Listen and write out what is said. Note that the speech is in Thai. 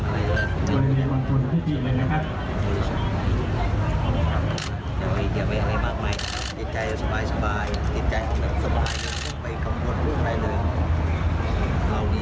เราไม่ได้ทำที่สุดท้ายมนุษย์ก็ช่วยเรา